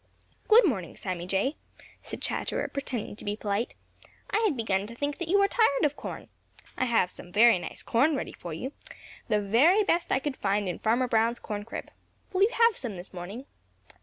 "Good morning, Sammy Jay," said Chatterer, pretending to be polite. "I had begun to think that you were tired of corn. I have some very nice corn ready for you, the very best I could find in Farmer Brown's corn crib. Will you have some this morning?"